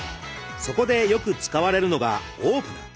そこでよく使われるのがオープナー。